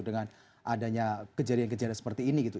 dengan adanya kejadian kejadian seperti ini gitu